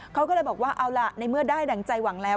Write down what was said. เขาก็เลยบอกว่าเอาล่ะในเมื่อได้ดั่งใจหวังแล้ว